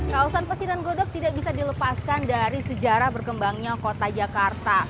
kawasan pecinan glodok tidak bisa dilepaskan dari sejarah berkembangnya kota jakarta